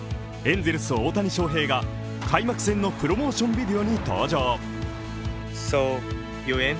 エンゼルス・大谷翔平が開幕戦のプロモーションビデオに登場。